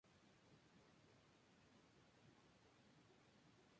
Su utilización era limitada y el ramal se encuentra actualmente desactivado.